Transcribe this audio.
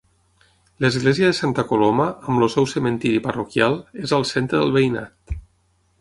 L'església de Santa Coloma, amb el seu cementiri parroquial, és al centre del veïnat.